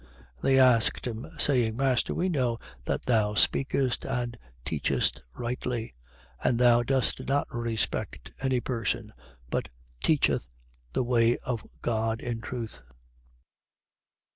20:21. And they asked him, saying: Master, we know that thou speakest and teachest rightly: and thou dost not respect any person, but teachest the way of God in truth.